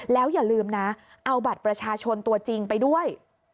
แล้วอย่าลืมนะเอาบัตรประชาชนตัวจริงไปด้วย